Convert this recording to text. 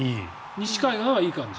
西海岸はいい感じ。